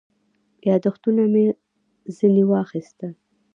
یاداښتونه مې ځنې واخیستل.